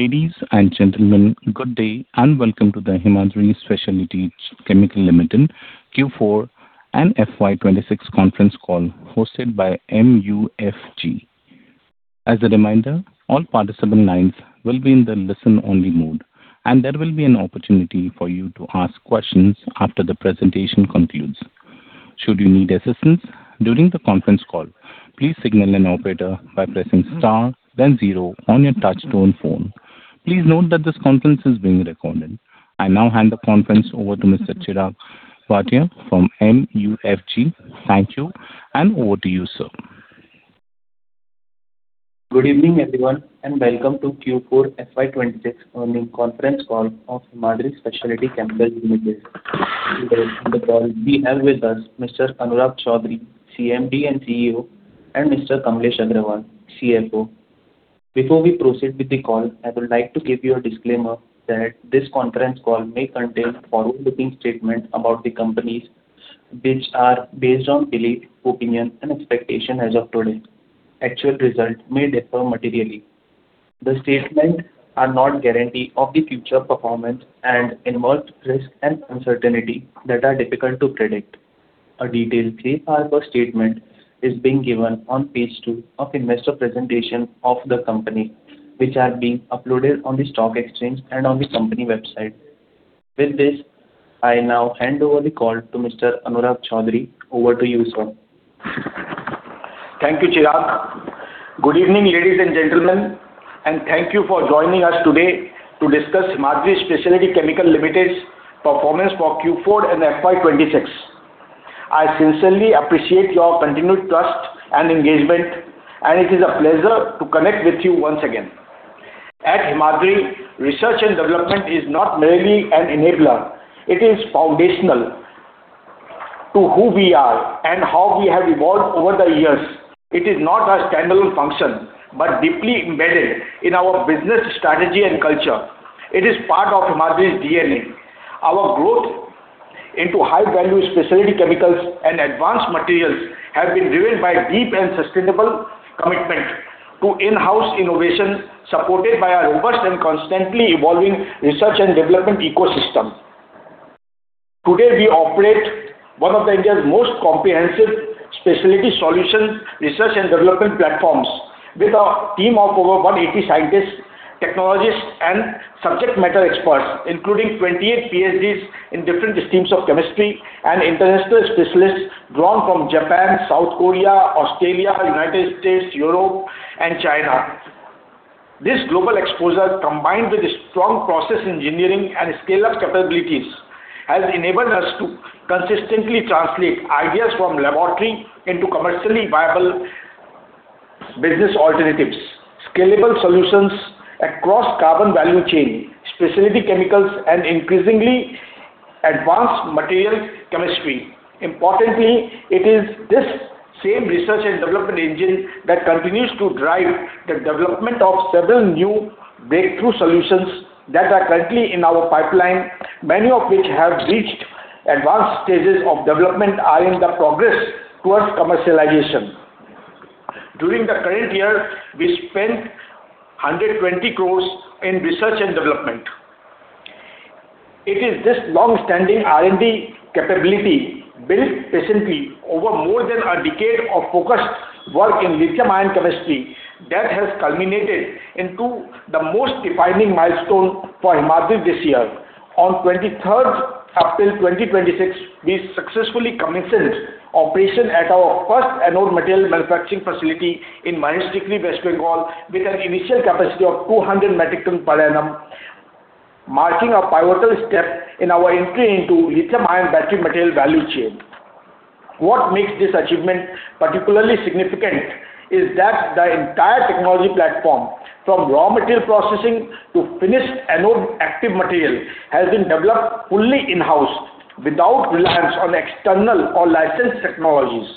Ladies and gentlemen, good day and welcome to the Himadri Speciality Chemical Limited Q4 and FY 2026 conference call hosted by MUFG. As a reminder, all participant lines will be in the listen-only mode, and there will be an opportunity for you to ask questions after the presentation concludes. Should you need assistance during the conference call, please signal an operator by pressing star then zero on your touch-tone phone. Please note that this conference is being recorded. I now hand the conference over to Mr. Chirag Bhatia from MUFG. Thank you and over to you, sir. Good evening, everyone, and welcome to Q4 FY 2026 earnings conference call of Himadri Speciality Chemical Limited. Today on the call we have with us Mr. Anurag Choudhary, CMD and CEO, and Mr. Kamlesh Agarwal, CFO. Before we proceed with the call, I would like to give you a disclaimer that this conference call may contain forward-looking statements about the company which are based on belief, opinion, and expectation as of today. Actual results may differ materially. The statements are not guarantee of the future performance and involve risk and uncertainty that are difficult to predict. A detailed safe harbor statement is being given on Page two of investor presentation of the company, which are being uploaded on the stock exchange and on the company website. With this, I now hand over the call to Mr. Anurag Choudhary. Over to you, sir. Thank you, Chirag. Good evening, ladies and gentlemen, and thank you for joining us today to discuss Himadri Speciality Chemical Limited's performance for Q4 and FY 2026. I sincerely appreciate your continued trust and engagement, and it is a pleasure to connect with you once again. At Himadri, research and development is not merely an enabler, it is foundational to who we are and how we have evolved over the years. It is not a standalone function, but deeply embedded in our business strategy and culture. It is part of Himadri's DNA. Our growth into high-value specialty chemicals and advanced materials have been driven by deep and sustainable commitment to in-house innovation, supported by a robust and constantly evolving research and development ecosystem. Today, we operate one of India's most comprehensive specialty solution research and development platforms with a team of over 180 scientists, technologists, and subject matter experts, including 28 PhDs in different schemes of chemistry and international specialists drawn from Japan, South Korea, Australia, United States, Europe and China. This global exposure, combined with strong process engineering and scale-up capabilities, has enabled us to consistently translate ideas from laboratory into commercially viable business alternatives, scalable solutions across carbon value chain, specialty chemicals, and increasingly advanced material chemistry. Importantly, it is this same research and development engine that continues to drive the development of several new breakthrough solutions that are currently in our pipeline, many of which have reached advanced stages of development and are in progress towards commercialization. During the current year, we spent 120 crore in research and development. It is this long-standing R&D capability built patiently over more than a decade of focused work in lithium-ion chemistry that has culminated into the most defining milestone for Himadri this year. On 23rd April, 2026, we successfully commenced operation at our first anode material manufacturing facility in Mahistikry, West Bengal, with an initial capacity of 200 metric tons per annum, marking a pivotal step in our entry into lithium-ion battery material value chain. What makes this achievement particularly significant is that the entire technology platform, from raw material processing to finished anode active material, has been developed fully in-house without reliance on external or licensed technologies.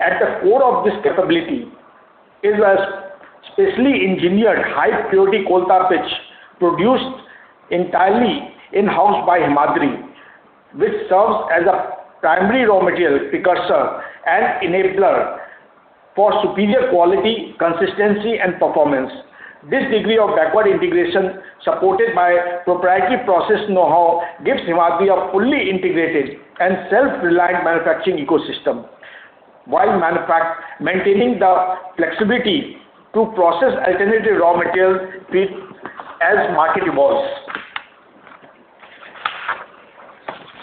At the core of this capability is a specially engineered high-purity coal tar pitch produced entirely in-house by Himadri, which serves as a primary raw material precursor and enabler for superior quality, consistency, and performance. This degree of backward integration, supported by proprietary process know-how, gives Himadri a fully integrated and self-reliant manufacturing ecosystem, while maintaining the flexibility to process alternative raw materials as the market evolves.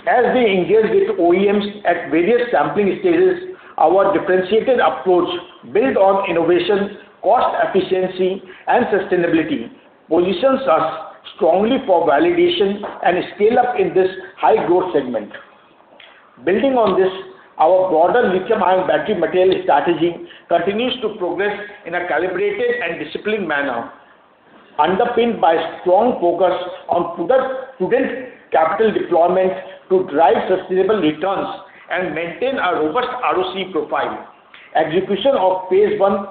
As we engage with OEMs at various sampling stages, our differentiated approach build on innovation, cost efficiency, and sustainability positions us strongly for validation and scale-up in this high-growth segment. Building on this, our broader lithium-ion battery material strategy continues to progress in a calibrated and disciplined manner, underpinned by strong focus on prudent capital deployment to drive sustainable returns and maintain a robust ROC profile. Execution of Phase 1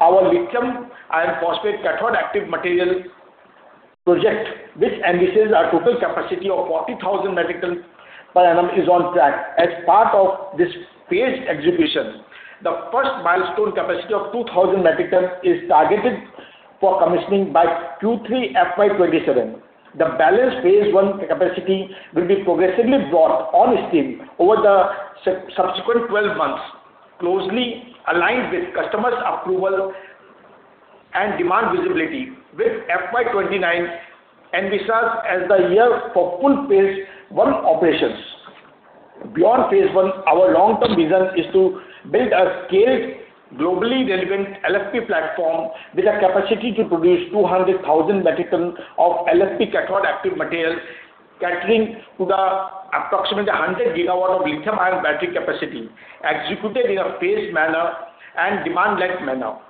of our lithium iron phosphate cathode active material project, which amounts to our total capacity of 40,000 metric ton per annum is on track as part of this phased execution. The first milestone capacity of 2,000 metric ton is targeted for commissioning by Q3 FY 2027. The balance Phase 1 capacity will be progressively brought on stream over the subsequent 12 months, closely aligned with customers' approval and demand visibility with FY 2029 envisaged as the year for full Phase 1 operations. Beyond Phase 1, our long-term vision is to build a scaled, globally relevant LFP platform with a capacity to produce 200,000 metric tons of LFP cathode active materials, catering to the approximately 100 GW of lithium-ion battery capacity, executed in a phased manner and demand-led manner.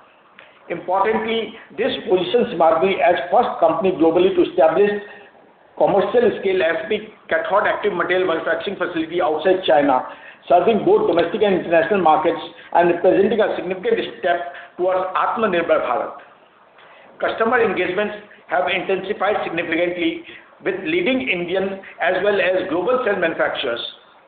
Importantly, this positions Himadri as first company globally to establish commercial scale LFP cathode active material manufacturing facility outside China, serving both domestic and international markets and representing a significant step towards Atmanirbhar Bharat. Customer engagements have intensified significantly with leading Indian as well as global cell manufacturers,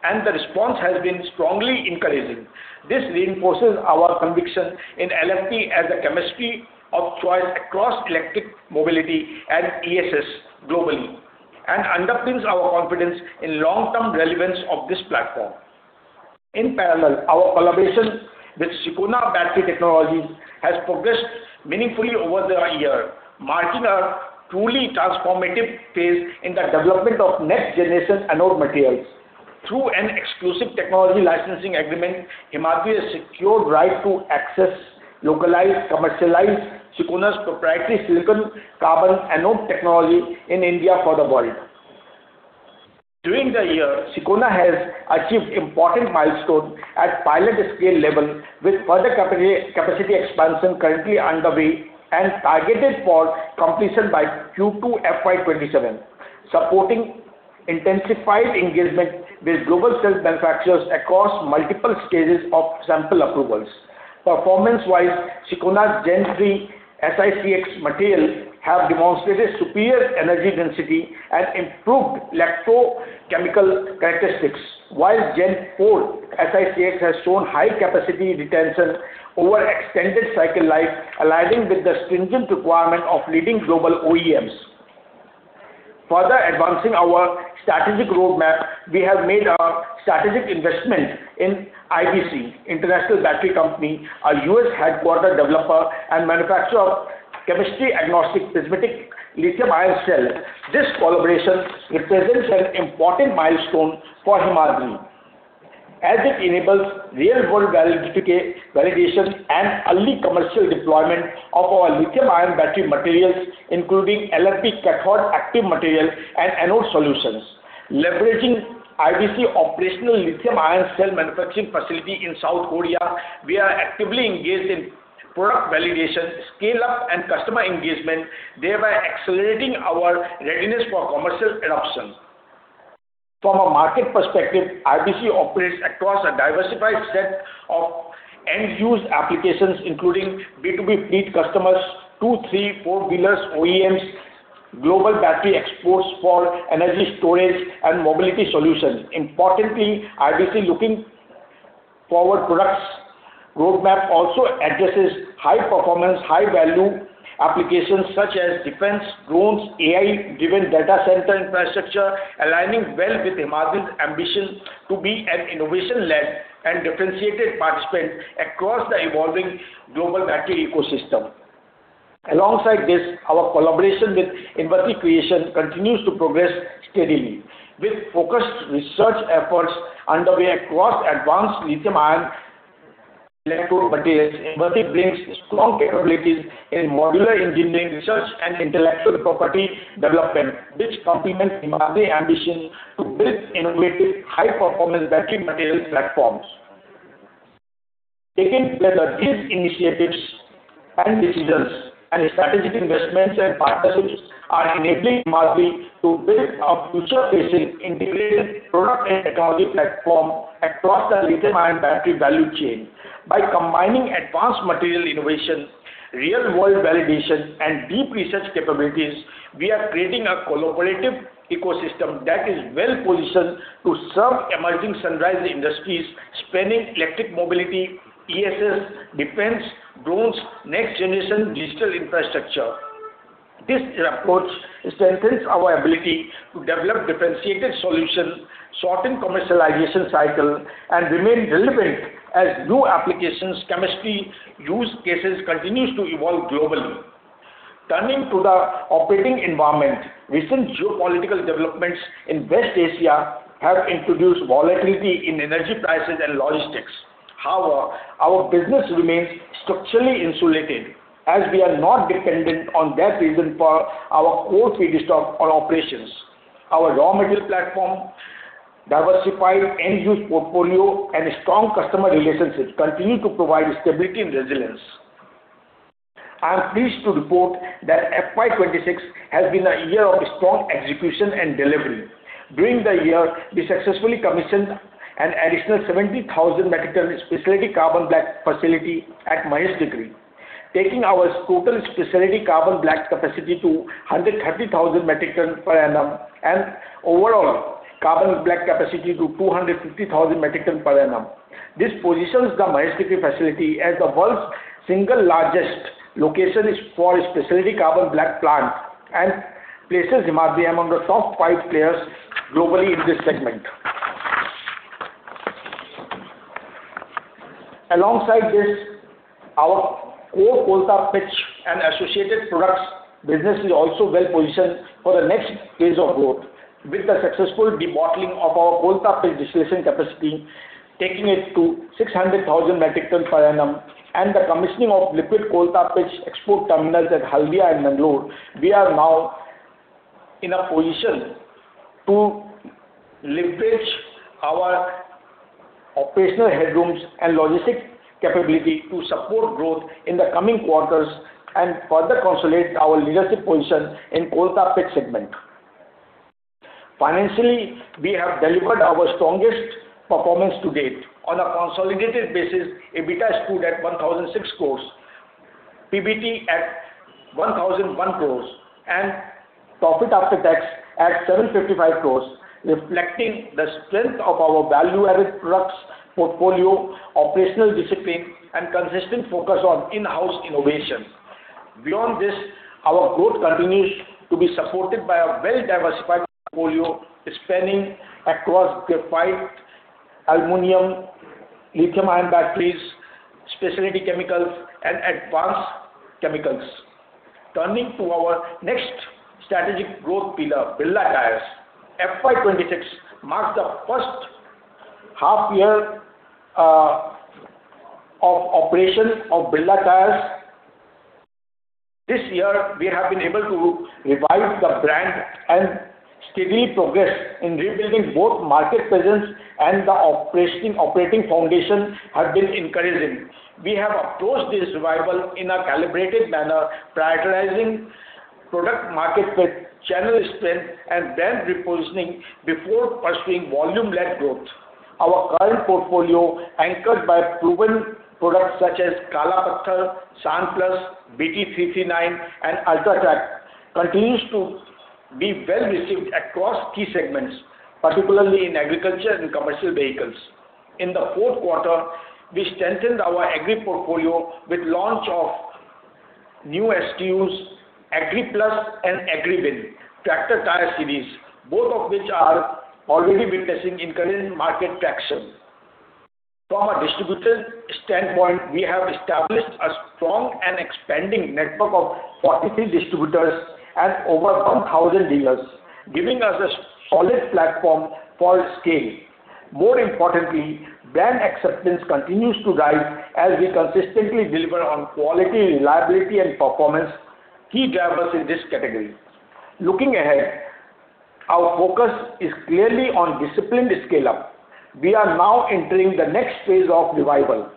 and the response has been strongly encouraging. This reinforces our conviction in LFP as a chemistry of choice across electric mobility and ESS globally and underpins our confidence in long-term relevance of this platform. In parallel, our collaboration with Sicona Battery Technologies has progressed meaningfully over the year, marking a truly transformative phase in the development of next-generation anode materials. Through an exclusive technology licensing agreement, Himadri has secured right to access, localize, commercialize Sicona's proprietary silicon-carbon anode technology in India for the world. During the year, Sicona has achieved important milestone at pilot scale level with further capacity expansion currently underway and targeted for completion by Q2 FY 2027, supporting intensified engagement with global cell manufacturers across multiple stages of sample approvals. Performance-wise, Sicona's Gen Three SiCx material have demonstrated superior energy density and improved electrochemical characteristics. While Gen 4 SiCx has shown high capacity retention over extended cycle life, aligning with the stringent requirement of leading global OEMs. Further advancing our strategic roadmap, we have made a strategic investment in IBC, International Battery Company, a U.S.-headquartered developer and manufacturer of chemistry-agnostic prismatic lithium-ion cell. This collaboration represents an important milestone for Himadri as it enables real-world validation and early commercial deployment of our lithium-ion battery materials, including LFP cathode active material and anode solutions. Leveraging IBC's operational lithium-ion cell manufacturing facility in South Korea, we are actively engaged in product validation, scale-up, and customer engagement, thereby accelerating our readiness for commercial adoption. From a market perspective, IBC operates across a diversified set of end use applications, including B2B fleet customers, two, three, four-wheelers OEMs, global battery exports for energy storage and mobility solutions. Importantly, IBC's forward-looking products roadmap also addresses high-performance, high-value applications such as defense, drones, AI-driven data center infrastructure, aligning well with Himadri's ambition to be an innovation-led and differentiated participant across the evolving global battery ecosystem. Alongside this, our collaboration with Invati Creations continues to progress steadily. With focused research efforts underway across advanced lithium-ion electrode materials, Invati brings strong capabilities in modular engineering, research, and intellectual property development, which complements Himadri's ambition to build innovative, high-performance battery material platforms. Taken together, these initiatives and decisions and strategic investments and partnerships are enabling Himadri to build a future-facing integrated product and technology platform across the lithium-ion battery value chain. By combining advanced material innovation, real-world validation, and deep research capabilities, we are creating a collaborative ecosystem that is well-positioned to serve emerging sunrise industries spanning electric mobility, ESS, defense, drones, next-generation digital infrastructure. This approach strengthens our ability to develop differentiated solutions, shorten commercialization cycle, and remain relevant as new applications, chemistry, use cases continues to evolve globally. Turning to the operating environment, recent geopolitical developments in West Asia have introduced volatility in energy prices and logistics. However, our business remains structurally insulated, as we are not dependent on that region for our core feedstock or operations. Our raw material platform, diversified end-use portfolio, and strong customer relationships continue to provide stability and resilience. I am pleased to report that FY 2026 has been a year of strong execution and delivery. During the year, we successfully commissioned an additional 70,000 metric ton specialty carbon black facility at Mahistikry, taking our total specialty carbon black capacity to 130,000 metric ton per annum and overall carbon black capacity to 250 metric ton per annum. This positions the Mahistikry facility as the world's single largest location for specialty carbon black plant and places Himadri among the top five players globally in this segment. Alongside this, our core coal tar pitch and associated products business is also well-positioned for the next phase of growth. With the successful debottlenecking of our coal tar pitch distillation capacity, taking it to 600,000 metric tons per annum, and the commissioning of liquid coal tar pitch export terminals at Haldia and Mangalore, we are now in a position to leverage our operational headrooms and logistic capability to support growth in the coming quarters and further consolidate our leadership position in coal tar pitch segment. Financially, we have delivered our strongest performance to date. On a consolidated basis, EBITDA stood at 1,006 crores, PBT at 1,001 crores, and profit after tax at 755 crores, reflecting the strength of our value-added products portfolio, operational discipline, and consistent focus on in-house innovation. Beyond this, our growth continues to be supported by a well-diversified portfolio spanning across graphite, aluminum, lithium-ion batteries, specialty chemicals, and advanced chemicals. Turning to our next strategic growth pillar, Birla Tyres. FY 2026 marks the first half year of operation of Birla Tyres. This year, we have been able to revive the brand, and steady progress in rebuilding both market presence and the operating foundation have been encouraging. We have approached this revival in a calibrated manner, prioritizing product market fit, channel strength, and brand repositioning before pursuing volume-led growth. Our current portfolio, anchored by proven products such as KalaPatthar, Shaan+, BT339, and Ultra Trac, continues to be well-received across key segments, particularly in agriculture and commercial vehicles. In the fourth quarter, we strengthened our agri portfolio with launch of new SKUs, AgriPlus and AgriWin tractor tire series, both of which are already witnessing encouraging market traction. From a distributor standpoint, we have established a strong and expanding network of 43 distributors and over 1,000 dealers, giving us a solid platform for scale. More importantly, brand acceptance continues to rise as we consistently deliver on quality, reliability, and performance, key drivers in this category. Looking ahead, our focus is clearly on disciplined scale-up. We are now entering the next phase of revival,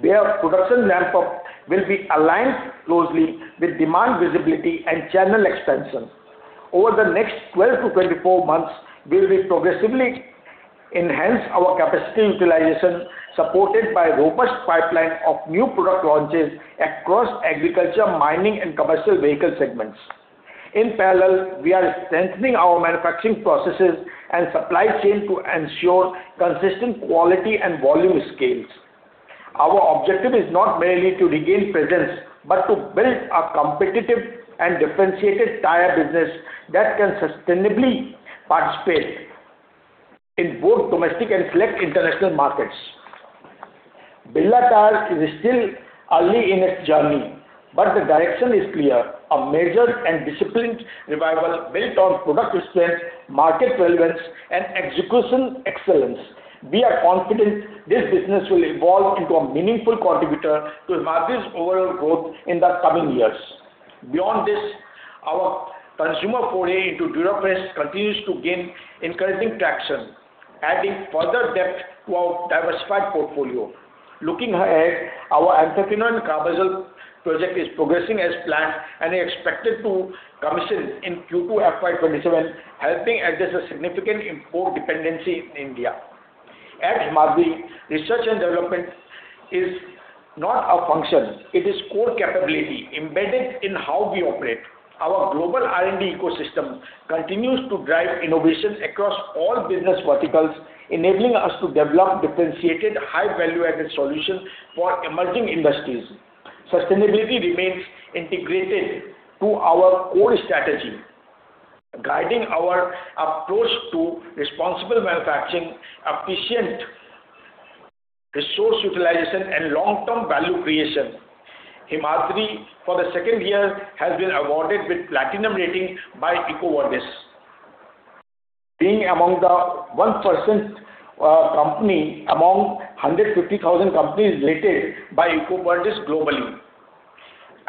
where production ramp-up will be aligned closely with demand visibility and channel expansion. Over the next 12 months-24 months, we will progressively enhance our capacity utilization, supported by robust pipeline of new product launches across agriculture, mining, and commercial vehicle segments. In parallel, we are strengthening our manufacturing processes and supply chain to ensure consistent quality and volume scales. Our objective is not merely to regain presence, but to build a competitive and differentiated tire business that can sustainably participate in both domestic and select international markets. Birla Tyres is still early in its journey, but the direction is clear, a measured and disciplined revival built on product strength, market relevance, and execution excellence. We are confident this business will evolve into a meaningful contributor to Himadri's overall growth in the coming years. Beyond this, our consumer foray into Durofresh continues to gain encouraging traction, adding further depth to our diversified portfolio. Looking ahead, our anthraquinone and carbazole project is progressing as planned and is expected to commission in Q2 FY 2027, helping address a significant import dependency in India. At Himadri, research and development is not a function, it is core capability embedded in how we operate. Our global R&D ecosystem continues to drive innovation across all business verticals, enabling us to develop differentiated, high value-added solutions for emerging industries. Sustainability remains integrated to our core strategy, guiding our approach to responsible manufacturing, efficient resource utilization, and long-term value creation. Himadri, for the second year, has been awarded with Platinum rating by EcoVadis. Being among the 1% company among 150,000 companies rated by EcoVadis globally.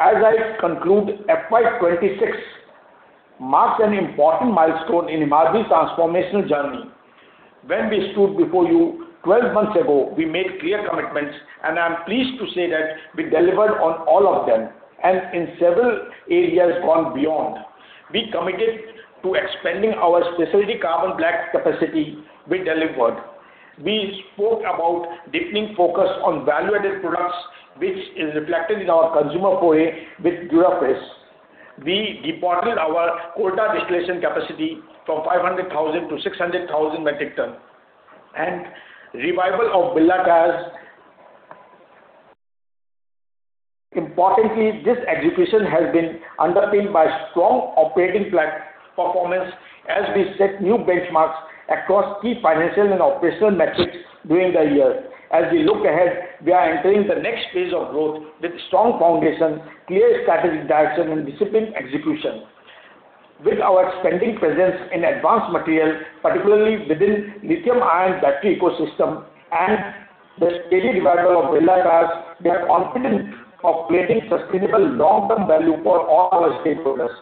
As I conclude, FY 2026 marks an important milestone in Himadri's transformational journey. When we stood before you 12 months ago, we made clear commitments, and I am pleased to say that we delivered on all of them, and in several areas gone beyond. We committed to expanding our specialty carbon black capacity, we delivered. We spoke about deepening focus on value-added products, which is reflected in our consumer foray with Durofresh. We debottlenecked our Coal Tar distillation capacity from 500,000-600,000 metric ton. Revival of Birla Tyres. Importantly, this execution has been underpinned by strong operating performance as we set new benchmarks across key financial and operational metrics during the year. As we look ahead, we are entering the next phase of growth with strong foundation, clear strategic direction and disciplined execution. With our expanding presence in advanced material, particularly within lithium-ion battery ecosystem and the steady revival of Birla Tyres, we are confident of creating sustainable long-term value for all our stakeholders.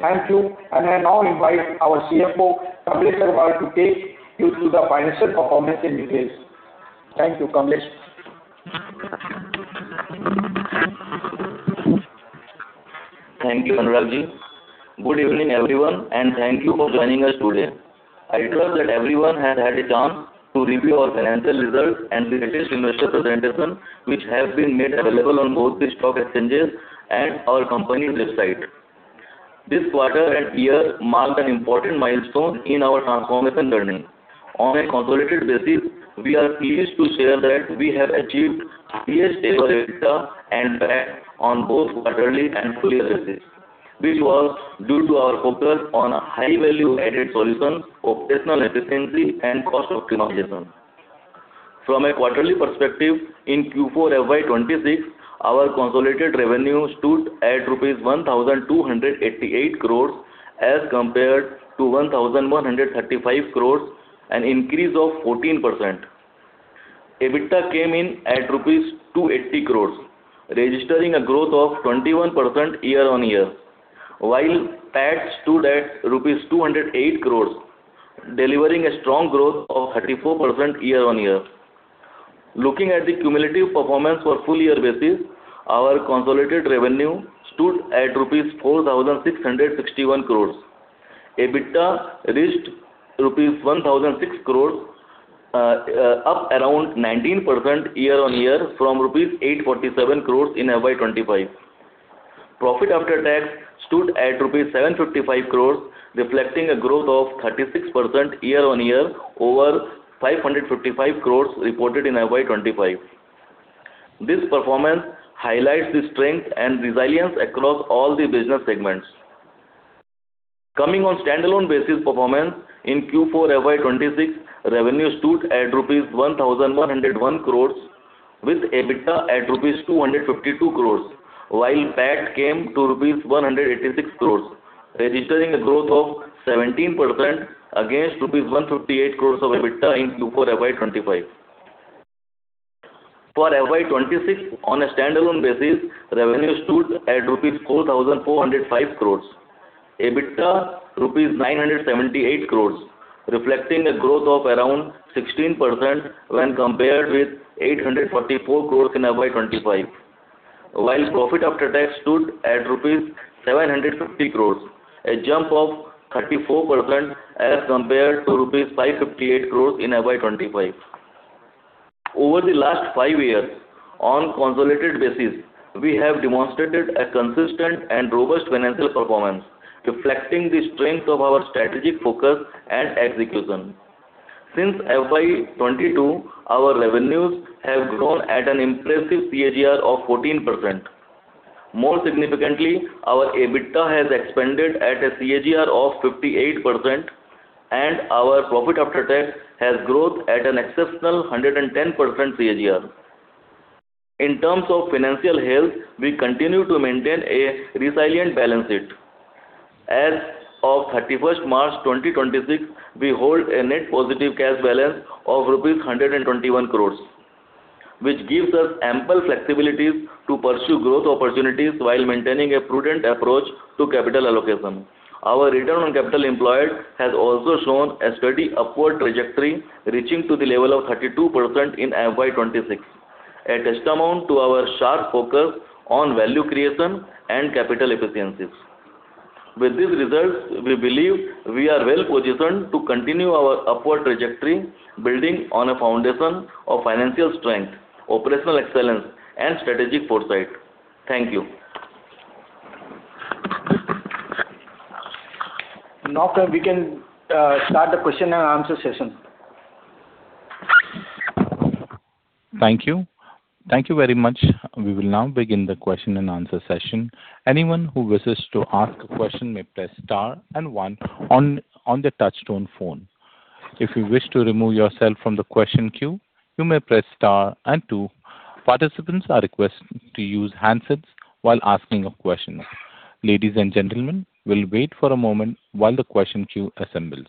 Thank you. I now invite our CFO, Kamlesh Agarwal, to take you through the financial performance in details. Thank you, Kamlesh? Thank you, Anurag-ji. Good evening, everyone, and thank you for joining us today. I trust that everyone has had a chance to review our financial results and the latest investor presentation, which have been made available on both the stock exchanges and our company's website. This quarter and year marked an important milestone in our transformation journey. On a consolidated basis, we are pleased to share that we have achieved highest ever EBITDA and PAT on both quarterly and full year basis, which was due to our focus on high value-added solutions, operational efficiency, and cost optimization. From a quarterly perspective, in Q4 FY 2026, our consolidated revenue stood at INR 1,288 crores as compared to 1,135 crores, an increase of 14%. EBITDA came in at INR 280 crores, registering a growth of 21% year-on-year, while PAT stood at rupees 208 crores, delivering a strong growth of 34% year-on-year. Looking at the cumulative performance for full-year basis, our consolidated revenue stood at INR 4,661 crores. EBITDA reached INR 1,006 crores, up around 19% year-on-year from INR 847 crores in FY 2025. Profit after tax stood at INR 755 crores, reflecting a growth of 36% year-on-year over INR 555 crores reported in FY 2025. This performance highlights the strength and resilience across all the business segments. Coming on standalone basis performance in Q4 FY 2026, revenue stood at rupees 1,101 crores with EBITDA at rupees 252 crores, while PAT came to rupees 186 crores, registering a growth of 17% against rupees 158 crores of EBITDA in Q4 FY 2025. For FY 2026, on a standalone basis, revenue stood at 4,405 crores rupees. EBITDA, 978 crores rupees, reflecting a growth of around 16% when compared with 844 crores in FY 2025. While profit after tax stood at 750 crores rupees, a jump of 34% as compared to 558 crores rupees in FY 2025. Over the last five years, on consolidated basis, we have demonstrated a consistent and robust financial performance, reflecting the strength of our strategic focus and execution. Since FY 2022, our revenues have grown at an impressive CAGR of 14%. More significantly, our EBITDA has expanded at a CAGR of 58%, and our profit after tax has grown at an exceptional 110% CAGR. In terms of financial health, we continue to maintain a resilient balance sheet. As of 31st March, 2026, we hold a net positive cash balance of rupees 121 crores, which gives us ample flexibilities to pursue growth opportunities while maintaining a prudent approach to capital allocation. Our return on capital employed has also shown a steady upward trajectory, reaching to the level of 32% in FY 2026. A testament to our sharp focus on value creation and capital efficiencies. With these results, we believe we are well-positioned to continue our upward trajectory, building on a foundation of financial strength, operational excellence and strategic foresight. Thank you. Now, we can start the question-and-answer session. Thank you. Thank you very much. We will now begin the question-and-answer session. Anyone who wishes to ask a question may press star and one on the touch-tone phone. If you wish to remove yourself from the question queue, you may press star and two. Participants are requested to use handsets while asking a question. Ladies and gentlemen, we'll wait for a moment while the question queue assembles.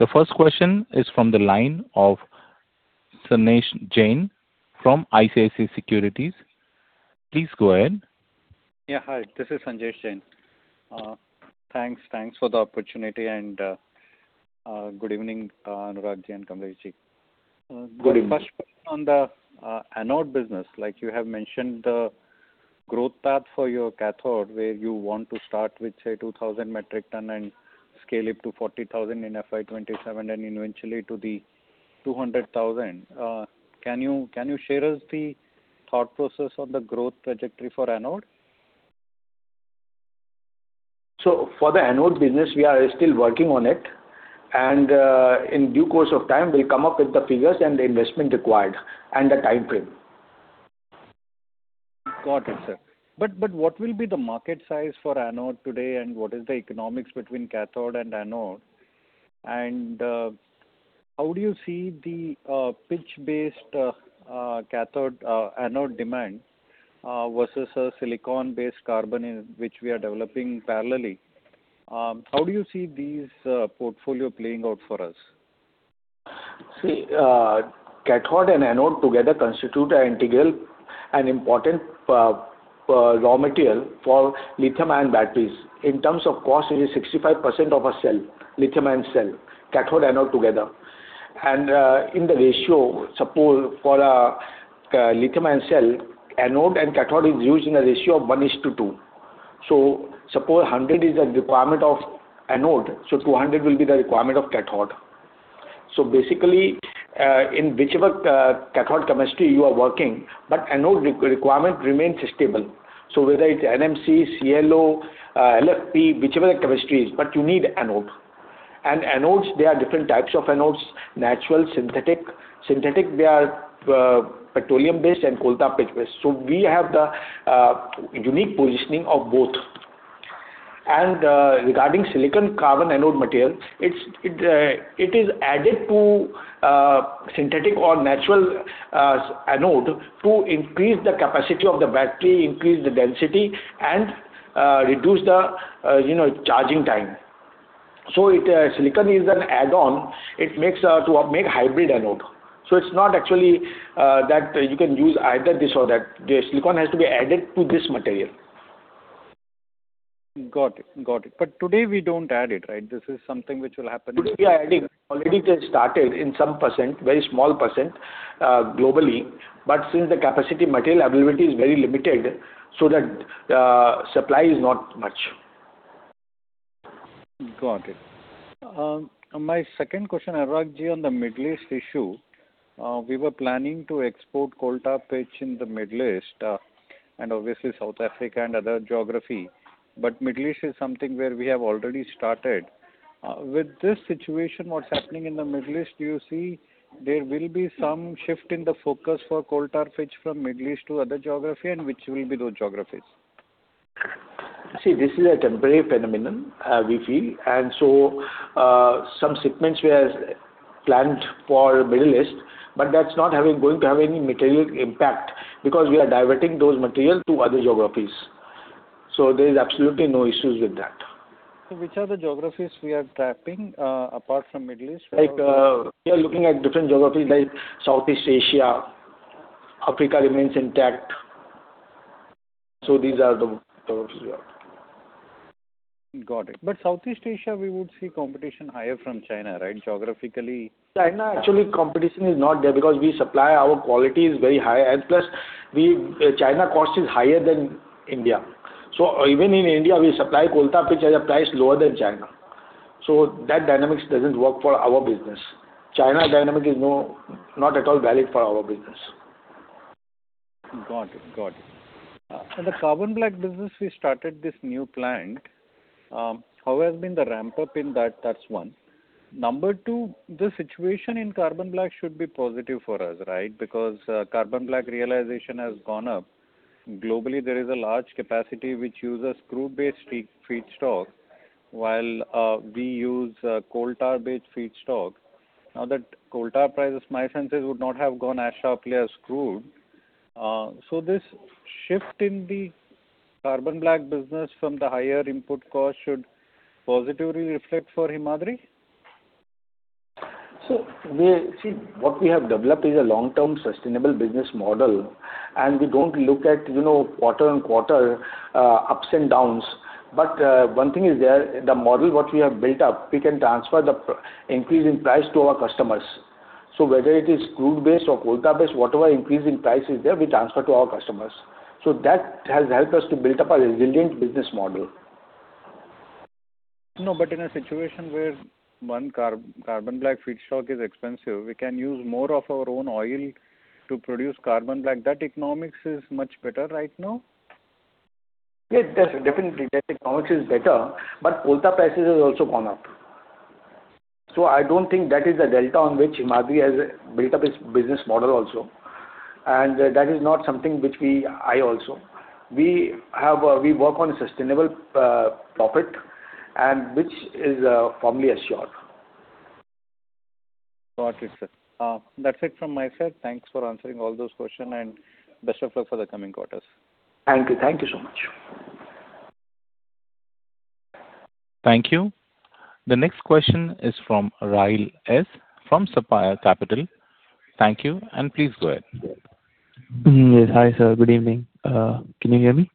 The first question is from the line of Sanjesh Jain from ICICI Securities. Please go ahead. Yeah, hi. This is Sanjesh Jain. Thanks for the opportunity and good evening, Anurag Ji and Kamlesh Ji. Good evening. The first one on the anode business. Like you have mentioned the growth path for your cathode, where you want to start with, say, 2,000 metric ton and scale it to 40,000 in FY 2027, and eventually to the 200,000. Can you share with us the thought process of the growth trajectory for anode? For the anode business, we are still working on it, and in due course of time, we'll come up with the figures and the investment required and the timeframe. Got it, sir. What will be the market size for anode today, and what is the economics between cathode and anode? How do you see the pitch-based anode demand versus a silicon-based carbon in which we are developing parallelly? How do you see these portfolio playing out for us? See, cathode and anode together constitute an integral and important raw material for lithium-ion batteries. In terms of cost, it is 65% of a cell, lithium-ion cell, cathode, anode together. In the ratio, suppose for a lithium-ion cell, anode and cathode is used in a ratio of 1:2. Suppose 100 is the requirement of anode, so 200 will be the requirement of cathode. Basically, in whichever cathode chemistry you are working, but anode requirement remains stable. Whether it's NMC, LCO, LFP, whichever the chemistry is, but you need anode. Anodes, there are different types of anodes: natural, synthetic. Synthetic, they are petroleum-based and coal tar pitch-based. We have the unique positioning of both. Regarding silicon-carbon anode material, it is added to synthetic or natural anode to increase the capacity of the battery, increase the density, and reduce the, you know, charging time. Silicon is an add-on to make hybrid anode. It's not actually that you can use either this or that. The silicon has to be added to this material. Got it. Today we don't add it, right? This is something which will happen. Today we are adding. Already we have started in some percent, very small percent, globally. Since the capacity material availability is very limited, so that, supply is not much. Got it. My second question, Anurag Ji, on the Middle East issue, we were planning to export coal tar pitch in the Middle East, and obviously South Africa and other geography, but Middle East is something where we have already started. With this situation, what's happening in the Middle East, do you see there will be some shift in the focus for coal tar pitch from Middle East to other geography? And which will be those geographies? See, this is a temporary phenomenon, we feel. Some shipments we have planned for Middle East, but that's not going to have any material impact because we are diverting those material to other geographies. There is absolutely no issues with that. Which are the geographies we are tapping apart from Middle East? Like, we are looking at different geographies like Southeast Asia, Africa remains intact. These are the geographies we have. Got it. Southeast Asia, we would see competition higher from China, right? China, actually competition is not there because we supply, our quality is very high, and plus we, China cost is higher than India. So even in India, we supply coal tar pitch at a price lower than China. So that dynamics doesn't work for our business. China dynamic is no, not at all valid for our business. Got it. For the carbon black business, we started this new plant. How has been the ramp-up in that? That's one. Number two, the situation in carbon black should be positive for us, right? Because carbon black realization has gone up. Globally, there is a large capacity which uses crude-based feed, feedstock, while we use coal tar-based feedstock. Now that coal tar prices, my sense is, would not have gone as sharply as crude. So this shift in the carbon black business from the higher input cost should positively reflect for Himadri? See, what we have developed is a long-term sustainable business model, and we don't look at, you know, quarter-on-quarter ups and downs. One thing is there, the model what we have built up, we can transfer the increase in price to our customers. Whether it is crude-based or coal tar-based, whatever increase in price is there, we transfer to our customers. That has helped us to build up a resilient business model. In a situation where, one, carbon black feedstock is expensive, we can use more of our own oil to produce carbon black. That economics is much better right now? Yes, definitely. That economics is better, but coal tar prices has also gone up. I don't think that is a delta on which Himadri has built up its business model also. That is not something which we also. We work on a sustainable profit and which is firmly assured. Got it, sir. That's it from my side. Thanks for answering all those questions, and best of luck for the coming quarters. Thank you. Thank you so much. Thank you. The next question is from Rahil S from Sapphire Capital. Thank you, and please go ahead. Mm-hmm. Yes. Hi, sir. Good evening. Can you hear me?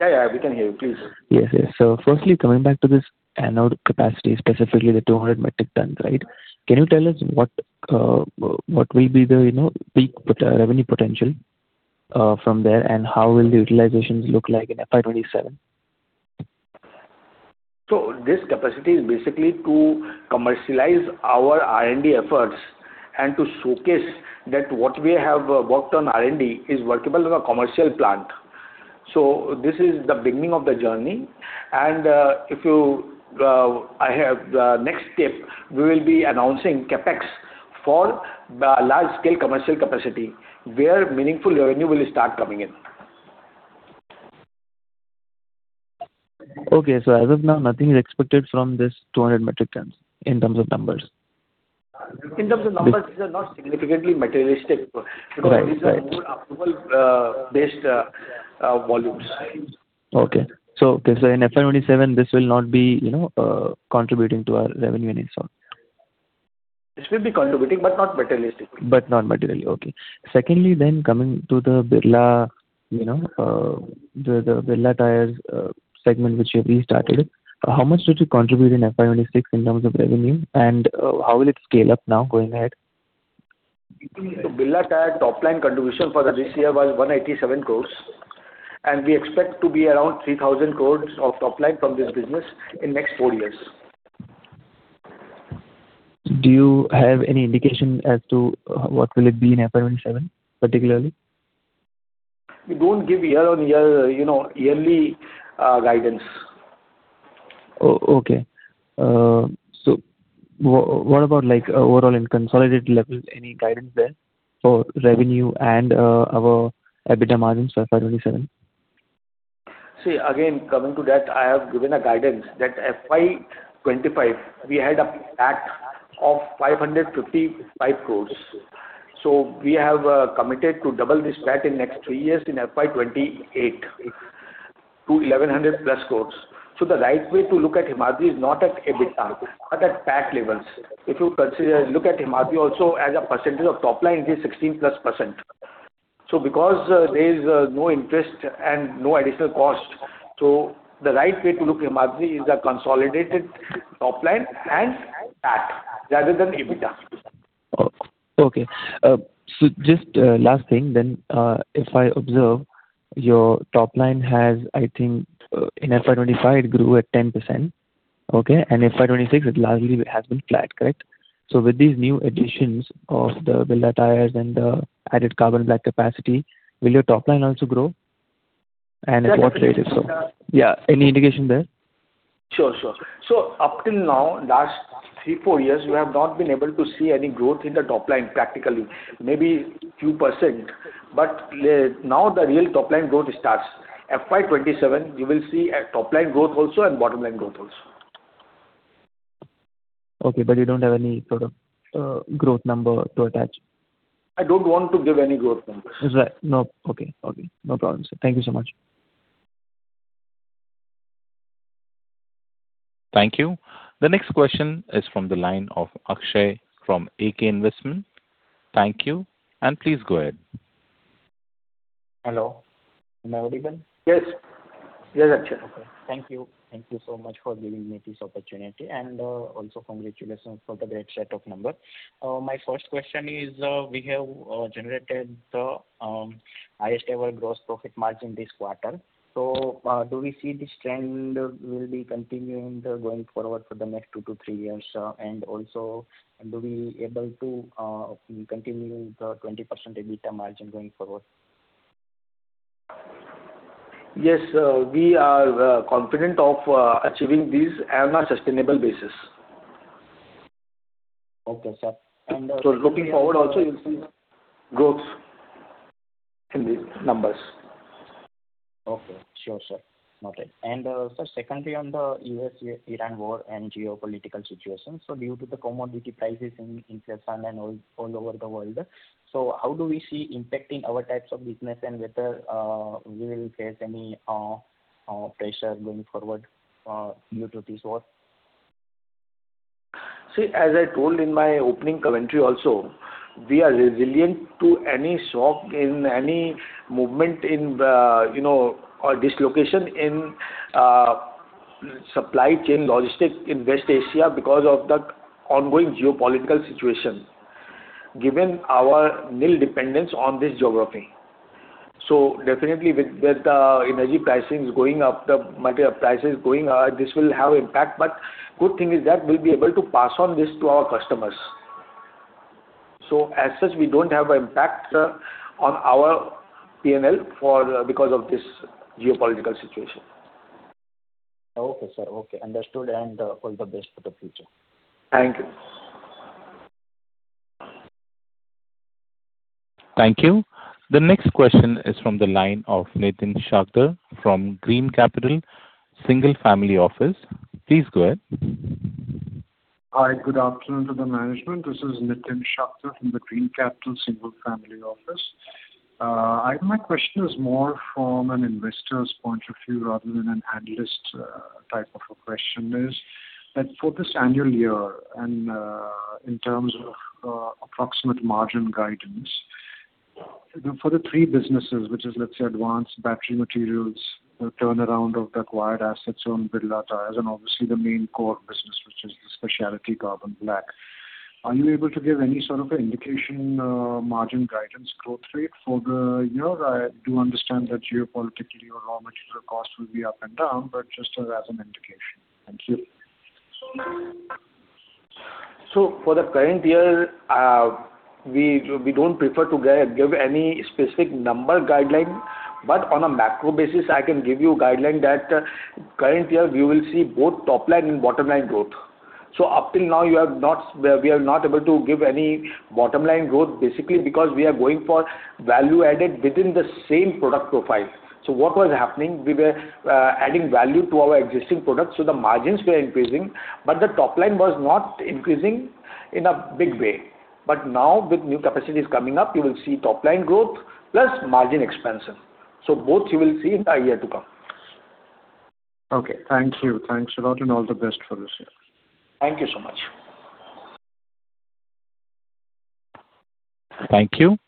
Yeah, yeah, we can hear you. Please go ahead. Yes, yes. Firstly, coming back to this anode capacity, specifically the 200 metric ton, right? Can you tell us what will be the peak revenue potential from there, and how will the utilizations look like in FY 2027? This capacity is basically to commercialize our R&D efforts and to showcase that what we have worked on R&D is workable in a commercial plant. This is the beginning of the journey. In the next step, we will be announcing CapEx for the large scale commercial capacity where meaningful revenue will start coming in. Okay. As of now, nothing is expected from this 200 metric tons in terms of numbers. In terms of numbers, these are not significantly material. Right. These are more approval-based volumes. In FY 2027, this will not be, you know, contributing to our revenue and so on. This will be contributing, but not material. Not materially. Okay. Secondly, coming to the Birla Tyres, you know, the Birla Tyres segment which you've restarted, how much did you contribute in FY 2026 in terms of revenue, and how will it scale up now going ahead? Birla Tyres top line contribution for this year was 187 crore, and we expect to be around 3,000 crore of top line from this business in next four years. Do you have any indication as to what will it be in FY 2027 particularly? We don't give year-on-year, you know, yearly guidance. Oh, okay. So what about like overall in consolidated levels, any guidance there for revenue and our EBITDA margins for FY 2027? See, again, coming to that, I have given a guidance that FY 2025 we had a PAT of 555 crore. We have committed to double this PAT in next three years in FY 2028 to 1,100+ crore. The right way to look at Himadri is not at EBITDA, but at PAT levels. If you consider, look at Himadri also as a percentage of top line, it is 16%+. Because there is no interest and no additional cost, the right way to look at Himadri is the consolidated top line and PAT rather than EBITDA. Okay. Just last thing then, if I observe, your top line has, I think, in FY 2025 it grew at 10%. Okay? FY 2026 it largely has been flat, correct? With these new additions of the Birla Tyres and the added carbon black capacity, will your top line also grow? And at what rate, if so? Yeah. Any indication there? Sure, sure. Up till now, last three, four years, we have not been able to see any growth in the top line practically. Maybe few %, but now the real top line growth starts. FY 2027 you will see a top line growth also and bottom line growth also. Okay. You don't have any sort of growth number to attach. I don't want to give any growth numbers. No? Okay. No problem, sir. Thank you so much. Thank you. The next question is from the line of Akshay from AK Investment. Thank you, and please go ahead. Hello. Am I audible? Yes. Yes, Akshay. Okay. Thank you. Thank you so much for giving me this opportunity. Also, congratulations for the great set of numbers. My first question is, we have generated the highest ever gross profit margin this quarter. Do we see this trend will be continuing going forward for the next two to three years? Also, do we able to continue the 20% EBITDA margin going forward? Yes, we are confident of achieving this on a sustainable basis. Okay, sir. Looking forward also you'll see growth in the numbers. Okay. Sure, sir. Got it. Sir, secondly, on the U.S.-Iran war and geopolitical situation, due to the commodity prices and inflation and all over the world, how do we see impacting our types of business and whether we will face any pressure going forward due to this war? See, as I told in my opening commentary also, we are resilient to any shock in any movement in, you know, or dislocation in, supply chain logistics in West Asia because of the ongoing geopolitical situation, given our nil dependence on this geography. Definitely with energy pricings going up, the material prices going up, this will have impact, but good thing is that we'll be able to pass on this to our customers. As such, we don't have impact on our P&L because of this geopolitical situation. Okay, sir. Okay. Understood, and all the best for the future. Thank you. Thank you. The next question is from the line of Nitin Shakdher from Green Capital Single Family Office. Please go ahead. Hi. Good afternoon to the management. This is Nitin Shakdher from the Green Capital Single Family Office. My question is more from an investor's point of view rather than an analyst type of a question is that for this annual year and in terms of approximate margin guidance for the three businesses, which is, let's say, advanced battery materials, the turnaround of the acquired assets on Birla Tyres, and obviously the main core business, which is the specialty carbon black. Are you able to give any sort of an indication margin guidance growth rate for the year? I do understand that geopolitically your raw material costs will be up and down, but just as an indication. Thank you. For the current year, we don't prefer to give any specific number guideline, but on a macro basis, I can give you guideline that current year we will see both top line and bottom line growth. Up till now, we are not able to give any bottom line growth basically because we are going for value added within the same product profile. What was happening, we were adding value to our existing products, so the margins were increasing, but the top line was not increasing in a big way. Now with new capacities coming up, you will see top line growth plus margin expansion. Both you will see in the year to come. Okay. Thank you. Thanks a lot and all the best for this year. Thank you so much. Thank you.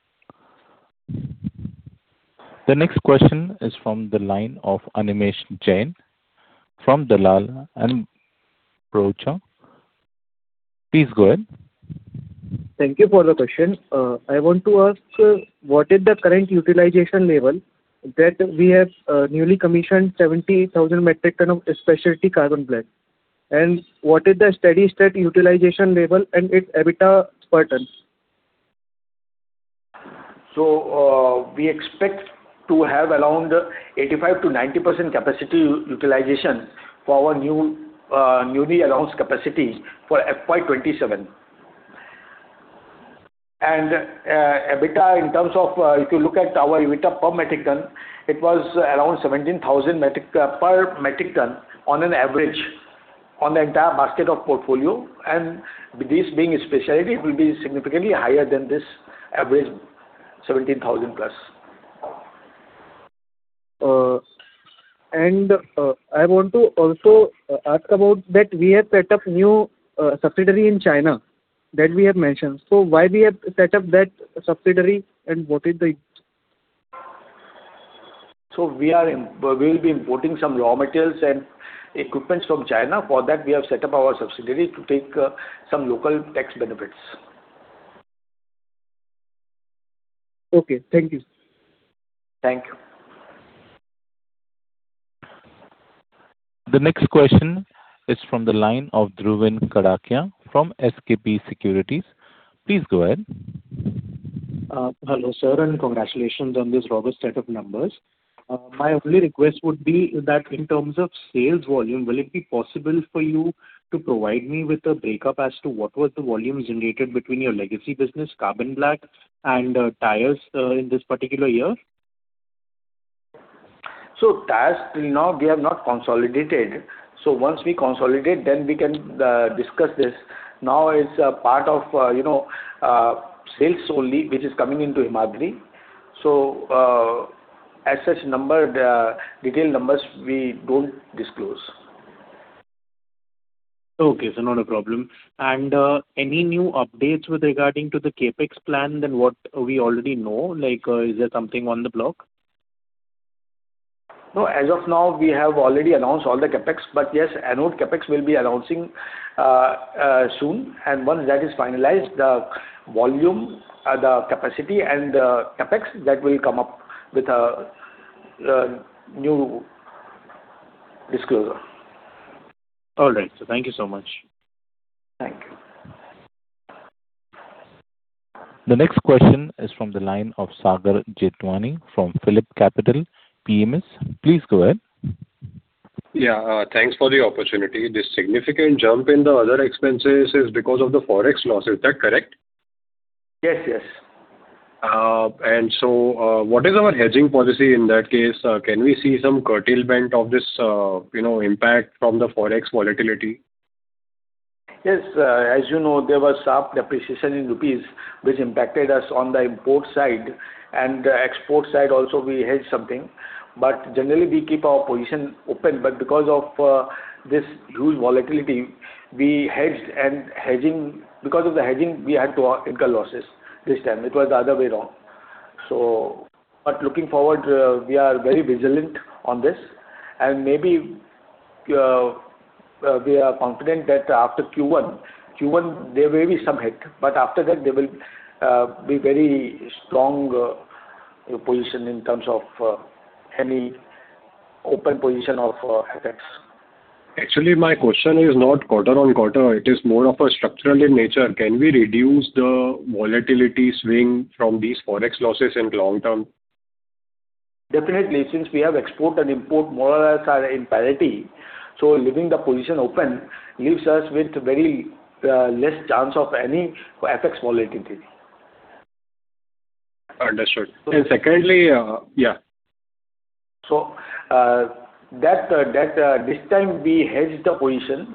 The next question is from the line of Animesh Jain from Dalal & Broacha. Please go ahead. Thank you for the question. I want to ask, what is the current utilization level that we have, newly commissioned 70,000 metric ton of specialty carbon black? And what is the steady-state utilization level and its EBITDA margins? We expect to have around 85%-90% capacity utilization for our new newly announced capacities for FY 2027. EBITDA in terms of if you look at our EBITDA per metric ton, it was around 17,000 per metric ton on an average on the entire basket of portfolio. With this being a specialty, it will be significantly higher than this average 17,000+. I want to also ask about that we have set up new subsidiary in China that we have mentioned. Why we have set up that subsidiary and what is the... We will be importing some raw materials and equipment from China. For that, we have set up our subsidiary to take some local tax benefits. Okay. Thank you. Thank you. The next question is from the line of Dhruvin Kadakia from SKP Securities. Please go ahead. Hello, sir, and congratulations on this robust set of numbers. My only request would be that in terms of sales volume, will it be possible for you to provide me with a break-up as to what was the volume generated between your legacy business, carbon black and tires in this particular year? Tires till now we have not consolidated. Once we consolidate, then we can discuss this. Now it's a part of, you know, sales only, which is coming into Himadri. As such number, the detailed numbers we don't disclose. Okay, sir. Not a problem. Any new updates with regard to the CapEx plan than what we already know? Like, is there something on the block? No. As of now, we have already announced all the CapEx. Yes, anode CapEx we'll be announcing soon. Once that is finalized, the volume, the capacity and the CapEx, that will come up with a new disclosure. All right, sir. Thank you so much. Thank you. The next question is from the line of Sagar Jethwani from PhillipCapital PMS. Please go ahead. Yeah. Thanks for the opportunity. This significant jump in the other expenses is because of the Forex loss. Is that correct? Yes. Yes. What is our hedging policy in that case? Can we see some curtailment of this, you know, impact from the Forex volatility? Yes. As you know, there was sharp depreciation in rupees which impacted us on the import side and export side. Also, we hedged something, but generally we keep our position open. Because of this huge volatility, we hedged. Because of the hedging, we had to incur losses this time. It was the other way around. Looking forward, we are very vigilant on this and maybe we are confident that after Q1 there may be some hit, but after that there will be very strong position in terms of any open position of hedge. Actually, my question is not quarter-on-quarter. It is more of a structural in nature. Can we reduce the volatility swing from these Forex losses in long term? Definitely, since we have exports and imports more or less are in parity, so leaving the position open leaves us with very less chance of any FX volatility. Understood. Secondly, yeah. This time we hedged the position,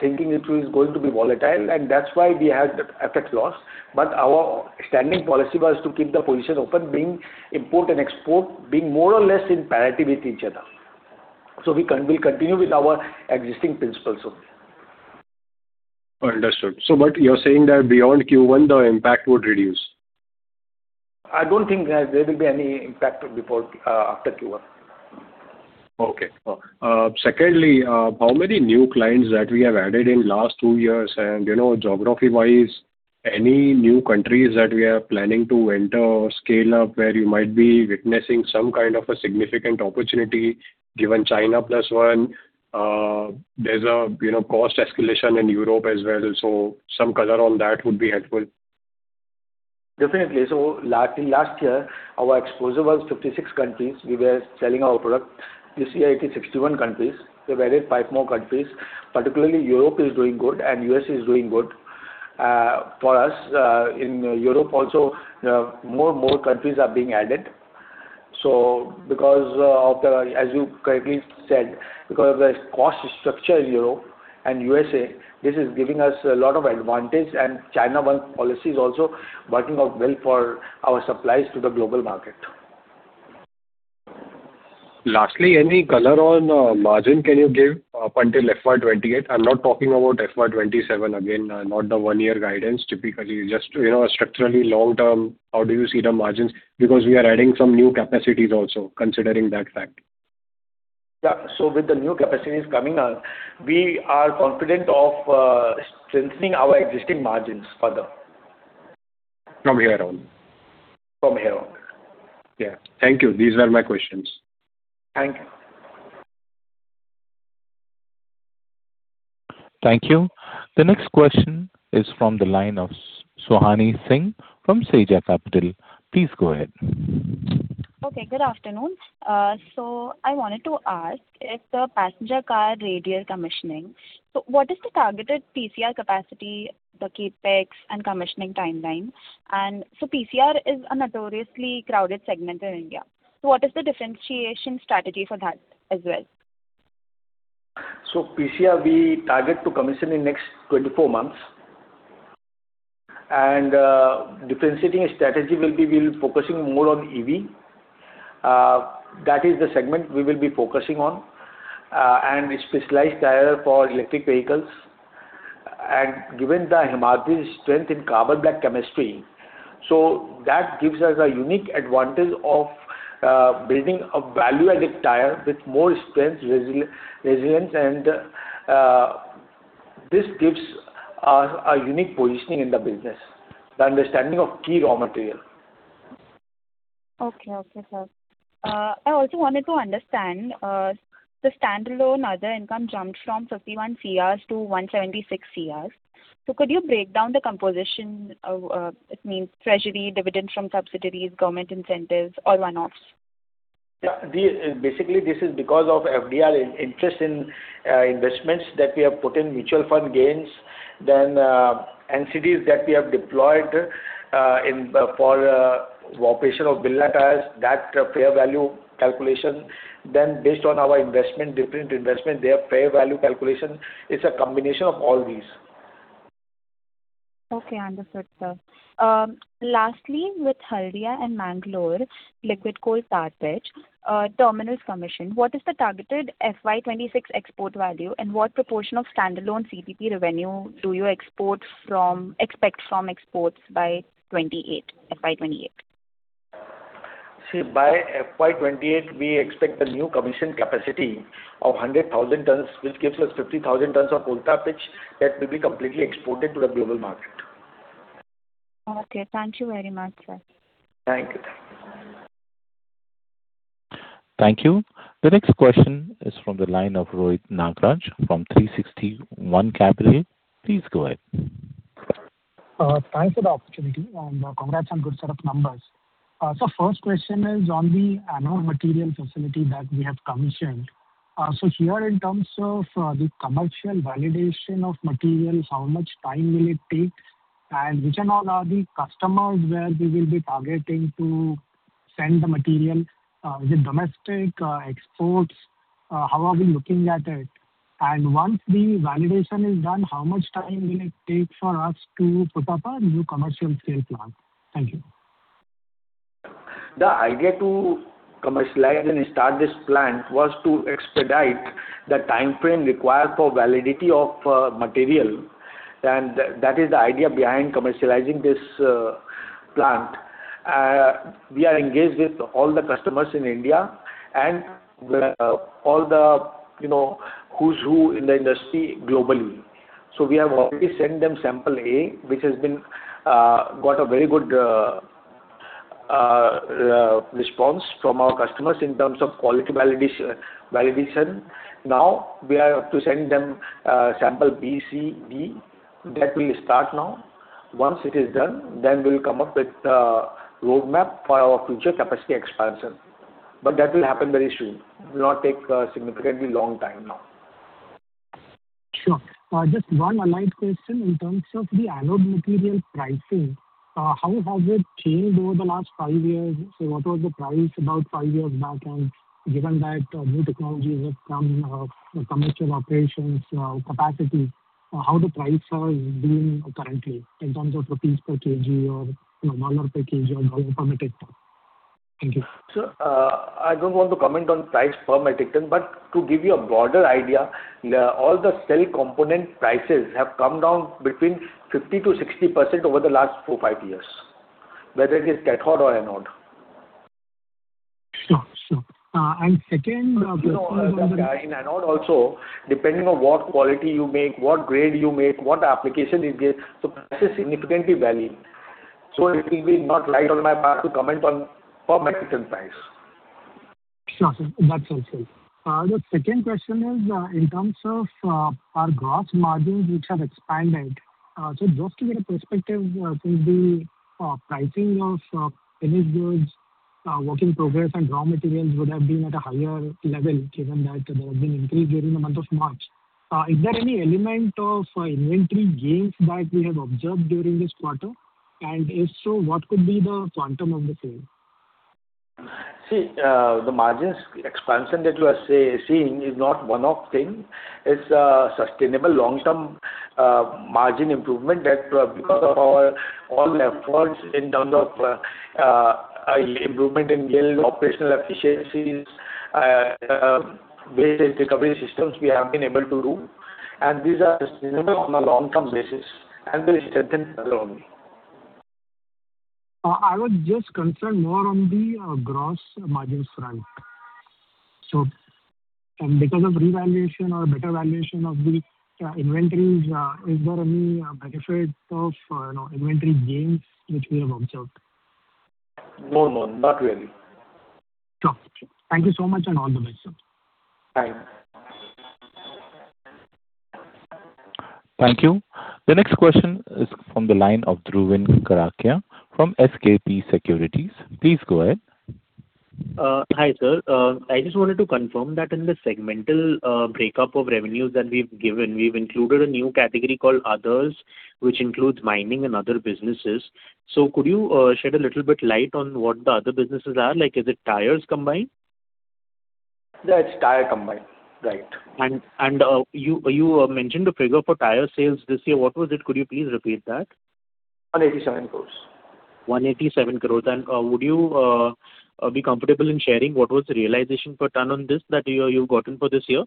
thinking it was going to be volatile, and that's why we had the FX loss. Our standing policy was to keep the position open being import and export being more or less in parity with each other. We'll continue with our existing principles only. Understood. You're saying that beyond Q1, the impact would reduce? I don't think there will be any impact before, after Q1. Okay. Secondly, how many new clients that we have added in last two years? You know, geography-wise, any new countries that we are planning to enter or scale up where you might be witnessing some kind of a significant opportunity, given China Plus One? There's you know, cost escalation in Europe as well. Some color on that would be helpful. Definitely. In last year, our exposure was 56 countries we were selling our product. This year it is 61 countries. We've added 5 more countries, particularly Europe is doing good and U.S. is doing good. For us, in Europe also, more and more countries are being added. Because of the, as you correctly said, because of the cost structure in Europe and U.S., this is giving us a lot of advantage, and China Plus One policy is also working out well for our supplies to the global market. Lastly, any color on margin, can you give until FY 2028? I'm not talking about FY 2027 again, not the one-year guidance. Typically, just, you know, structurally long term, how do you see the margins? Because we are adding some new capacities also, considering that fact. Yeah. With the new capacities coming on, we are confident of strengthening our existing margins further. From here on? From here on. Yeah. Thank you. These were my questions. Thank you. Thank you. The next question is from the line of Sohani Singh from Seja Capital. Please go ahead. Okay, good afternoon. I wanted to ask if the passenger car radial commissioning, so what is the targeted PCR capacity, the CapEx and commissioning timeline? PCR is a notoriously crowded segment in India, so what is the differentiation strategy for that as well? PCR, we target to commission in next 24 months. Differentiating strategy will be we'll be focusing more on EV. That is the segment we will be focusing on, and a specialized tire for electric vehicles. Given the Himadri's strength in carbon black chemistry, that gives us a unique advantage of building a value-added tire with more strength, resilience and this gives us a unique positioning in the business, the understanding of key raw material. Okay. Okay, sir. I also wanted to understand, the standalone other income jumped from 51 crore-176 crore. Could you break down the composition of, it means treasury, dividends from subsidiaries, government incentives or one-offs? Yeah. Basically this is because of FDR interest in investments that we have put in mutual fund gains. NCDs that we have deployed in for operation of Birla Tyres, that fair value calculation. Based on our investment, different investment, their fair value calculation. It's a combination of all these. Okay, understood, sir. Lastly, with Haldia and Mangalore liquid coal tar pitch terminals commission, what is the targeted FY 2026 export value? What proportion of standalone CTP revenue do you expect from exports by FY 2028? See, by FY 2028, we expect the new commissioning capacity of 100,000 tons, which gives us 50,000 tons of coal tar pitch that will be completely exported to the global market. Okay, thank you very much, sir. Thank you. Thank you. The next question is from the line of Rohit Nagraj from 360 ONE Capital. Please go ahead. Thanks for the opportunity and congrats on good set of numbers. First question is on the anode material facility that we have commissioned. Here in terms of the commercial validation of materials, how much time will it take? And which and all are the customers where we will be targeting to send the material? Is it domestic, exports? How are we looking at it? And once the validation is done, how much time will it take for us to put up a new commercial scale plant? Thank you. The idea to commercialize and start this plant was to expedite the timeframe required for validity of material. That is the idea behind commercializing this plant. We are engaged with all the customers in India and, you know, who's who in the industry globally. We have already sent them sample A, which has got a very good response from our customers in terms of quality validation. Now we are to send them sample B, C, D. That will start now. Once it is done, then we'll come up with the roadmap for our future capacity expansion. That will happen very soon. It will not take a significantly long time now. Sure. Just one allied question in terms of the anode material pricing, how has it changed over the last five years? What was the price about five years back, and given that new technologies have come, commercial operations, capacity, how the price are being currently in terms of INR per kg or, you know, $ per kg or how you prefer it? Thank you. Sir, I don't want to comment on price per metric ton, but to give you a broader idea, all the cell component prices have come down between 50%-60% over the last four to five years, whether it is cathode or anode. Sure, sure. Second, You know, the grade in anode also, depending on what quality you make, what grade you make, what application is this, so prices significantly vary. It will be not right on my part to comment on per metric ton price. Sure, sure. That's also. The second question is, in terms of our gross margins which have expanded, so just to get a perspective, could be pricing of finished goods, work in progress and raw materials would have been at a higher level given that there have been increase during the month of March. Is there any element of inventory gains that we have observed during this quarter? And if so, what could be the quantum on the same? See, the margins expansion that you are seeing is not one-off thing. It's a sustainable long-term margin improvement that, because of our all efforts in terms of improvement in yield, operational efficiencies, waste recovery systems we have been able to do, and these are sustainable on a long-term basis, and will strengthen further only. I was just concerned more on the gross margins front. Because of revaluation or better valuation of the inventories, is there any benefit of, you know, inventory gains which we have observed? No, no, not really. Sure. Thank you so much and all the best, sir. Thank you. Thank you. The next question is from the line of Dhruvin Kadakia from SKP Securities. Please go ahead. Hi, sir. I just wanted to confirm that in the segmental breakup of revenues that we've given, we've included a new category called others, which includes mining and other businesses. Could you shed a little light on what the other businesses are? Like, is it tires combined? Yeah, it's tire combined. Right. You mentioned a figure for tire sales this year. What was it? Could you please repeat that? 187 crore. 187 crore. Would you be comfortable in sharing what was the realization per ton on this that you've gotten for this year?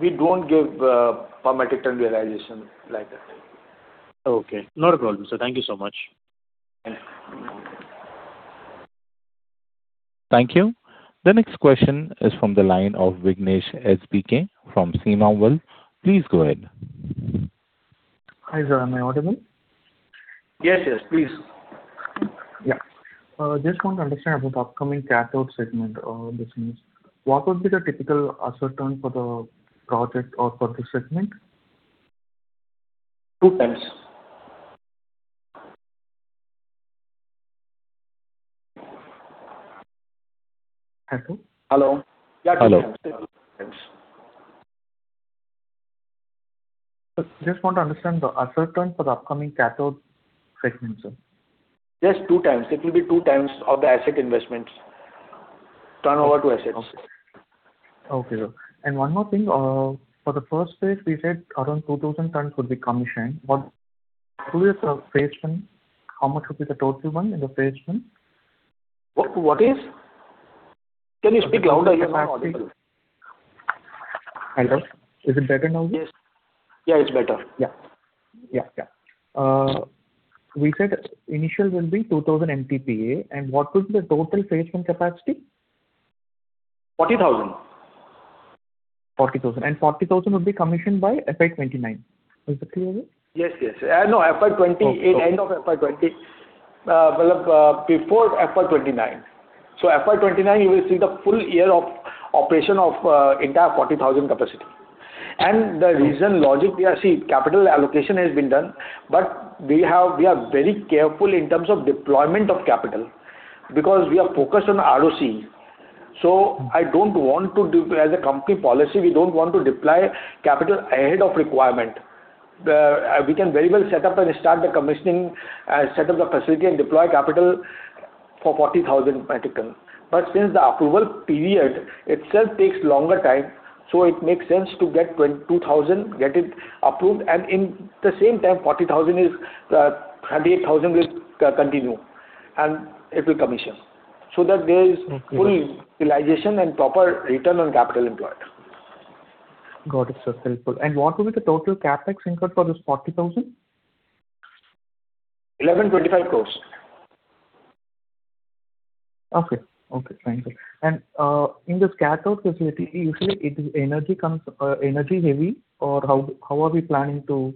We don't give per metric ton realization like that. Okay. Not a problem, sir. Thank you so much. Thank you. Thank you. The next question is from the line of Vignesh SBK from Systematix. Please go ahead. Hi, sir. Am I audible? Yes, yes, please. Yeah. I just want to understand about upcoming cathode segment business. What would be the typical asset turn for the project or for this segment? 2x. Hello? Hello. Yeah, 2x. Sir, just want to understand the asset turn for the upcoming cathode segment, sir? Just 2x. It will be 2x of the asset investments. Turnover to assets. Okay, sir. One more thing, for the first phase, we said around 2,000 tons would be commissioned. Through this Phase 1, how much would be the total tons in the Phase 1? What is? Can you speak louder? I am not able to- Hello. Is it better now, sir? Yes. Yeah, it's better. Yeah. We said initial will be 2000 MTPA. What would be the total Phase 1 capacity? 40,000. 40,000. 40,000 would be commissioned by FY 2029. Is that clear? Yes, yes. No, FY 20- Okay. End of FY 2020. Well, before FY 2029. FY 2029, you will see the full year of operation of the entire 40,000 capacity. The reason, logic, capital allocation has been done, but we are very careful in terms of deployment of capital because we are focused on ROC. I don't want to. As a company policy, we don't want to deploy capital ahead of requirement. We can very well set up the facility and start the commissioning and deploy capital for 40,000 metric ton. But since the approval period itself takes longer time, it makes sense to get 22,000, get it approved, and in the same time, 40,000 is, 38,000 will continue, and it will commission. That there is Okay. Full realization and proper return on capital employed. Got it, sir. Helpful. What will be the total CapEx incurred for this 40,000? INR 11.25 crore. Okay. Okay, thank you. In this cathode facility, usually it is energy heavy or how are we planning to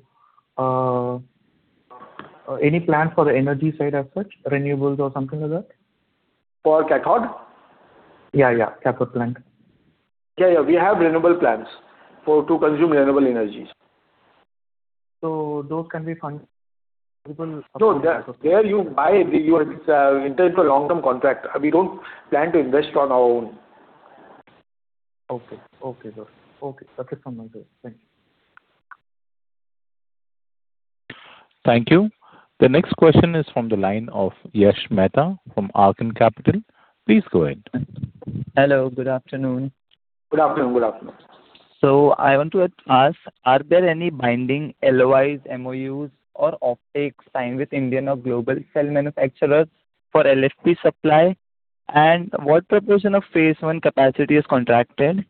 any plan for the energy side as such, renewables or something like that? For cathode? Yeah, yeah, captive plant. Yeah, we have renewable plans to consume renewable energies. Those can be fund- No, there you buy or enter into a long-term contract. We don't plan to invest on our own. Okay. That is fine. Thank you. Thank you. The next question is from the line of Yash Mehta from Arkaan Capital. Please go ahead. Hello, good afternoon. Good afternoon. Good afternoon. I want to ask, are there any binding LOIs, MOUs or offtake signed with Indian or global cell manufacturers for LFP supply? What proportion of Phase 1 capacity is contracted?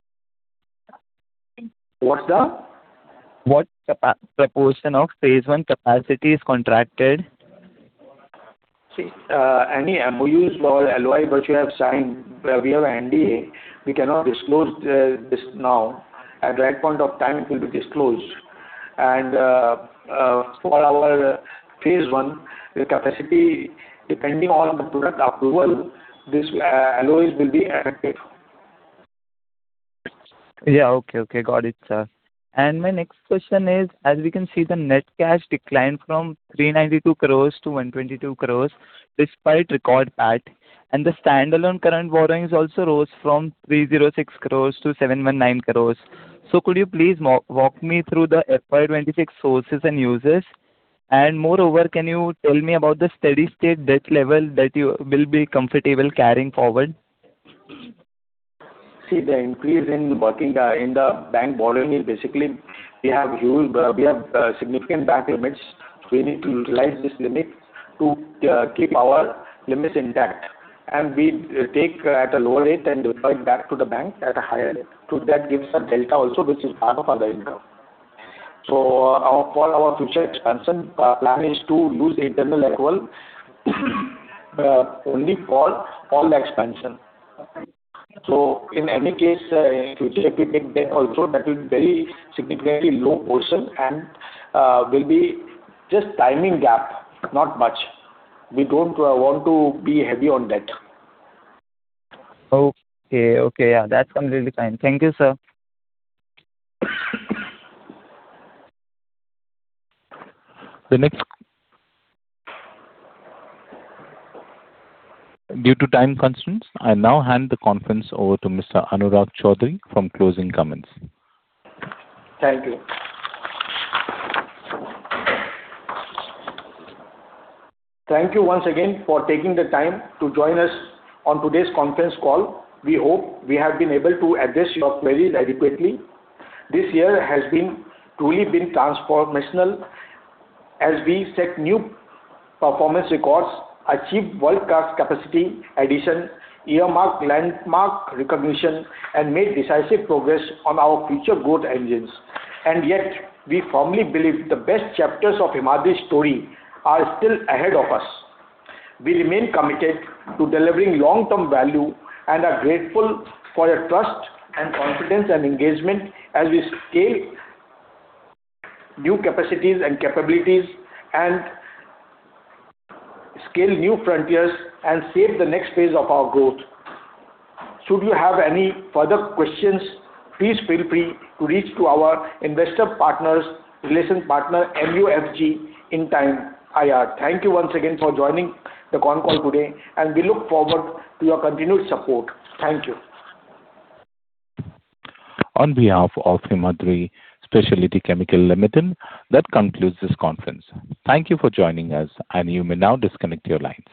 What's the? What proportion of Phase 1 capacity is contracted? See, any MOUs or LOIs which we have signed, we have NDA. We cannot disclose this now. At the right point of time, it will be disclosed. For our Phase 1, the capacity, depending on the product approval, these LOIs will be affected. Yeah. Okay. Got it, sir. My next question is, as we can see, the net cash declined from 392 crores to 122 crores despite record PAT. The standalone current borrowings also rose from 306 crores-719 crores. Could you please walk me through the FY 2026 sources and uses? Moreover, can you tell me about the steady-state debt level that you will be comfortable carrying forward? See, the increase in working capital borrowing is basically we have significant bank limits. We need to utilize this limit to keep our limits intact. We take at a lower rate and provide back to the bank at a higher rate. That gives a delta also, which is part of our income. For our future expansion, our plan is to use internal accrual only for all the expansion. In any case, if we take debt also, that will be very significantly low portion and will be just timing gap, not much. We don't want to be heavy on debt. Okay. Okay. Yeah, that's completely fine. Thank you, sir. Due to time constraints, I now hand the conference over to Mr. Anurag Choudhary for closing comments. Thank you. Thank you once again for taking the time to join us on today's conference call. We hope we have been able to address your queries adequately. This year has been truly transformational as we set new performance records, achieved world-class capacity addition, earmarked landmark recognition, and made decisive progress on our future growth engines. Yet, we firmly believe the best chapters of Himadri's story are still ahead of us. We remain committed to delivering long-term value and are grateful for your trust and confidence and engagement as we scale new capacities and capabilities and scale new frontiers and shape the next phase of our growth. Should you have any further questions, please feel free to reach out to our investor relations partner, MUFG Intime IR. Thank you once again for joining the conference call today, and we look forward to your continued support. Thank you. On behalf of Himadri Speciality Chemical Limited, that concludes this conference. Thank you for joining us, and you may now disconnect your lines.